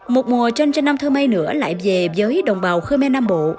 một mùa chân trên năm thơ mây nữa lại về với đồng bào khmer nam bộ